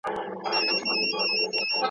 خاطرې مو د ژوند قیمتي پانګه ده.